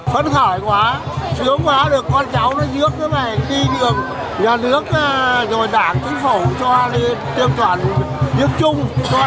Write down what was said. phân khải quá sướng quá được con cháu nó dước cái này đi đường nhà nước rồi đảng chính phủ cho đi tiêm toàn dước chung